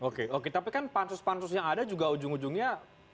oke oke tapi kan pansus pansus yang ada juga ujung ujungnya